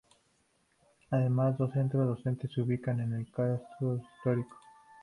Además, dos centros docentes se ubican en el casco histórico.